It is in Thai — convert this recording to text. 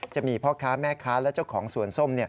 จะมีพ่อค้าแม่ค้าและเจ้าของสวนส้ม